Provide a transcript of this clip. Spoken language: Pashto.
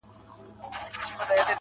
اې تاته وايم دغه ستا تر سترگو بـد ايسو.